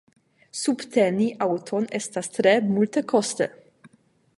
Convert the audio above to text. Subteni aŭton estas tre multekoste.